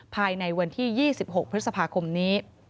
ภายในวันที่๒๖พฤษภาคมนี้